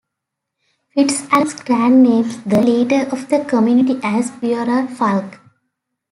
FitzAlan's grant names the leader of the community as Prior Fulk.